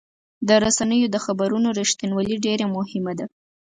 د رسنیو د خبرونو رښتینولي ډېر مهمه ده.